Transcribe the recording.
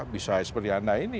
bisa seperti anda ini